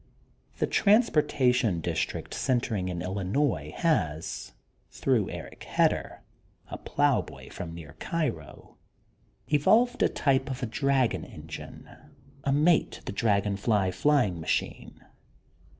The transportation district centering in Illinois has, through Eric Hedder, a plough boy from near Cairo, evolved a type of a dra gon engine, a mate to the dragon fly flying machine.